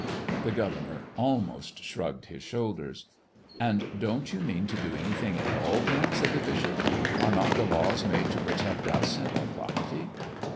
The governor almost shrugged his shoulders. "And don't you mean to do anything at all, then?" cried the bishop. "Are not the laws made to protect us and our property?"